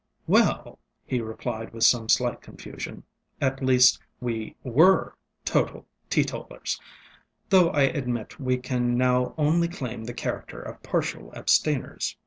ŌĆØ ŌĆ£Well, ŌĆØ he replied with some slight confusion, ŌĆ£at least, we were total teetotallers, though I admit we can now only claim the character of partial abstainers.